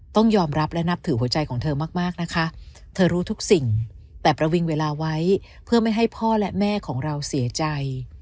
ต้องยอมรับและนับถือหัวใจของเธอมากนะคะเธอรู้ทุกสิ่งแต่ประวิงเวลาไว้เพื่อไม่ให้พ่อและแม่ของเราเสียใจ